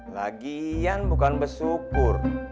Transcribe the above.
lagian bukan bersyukur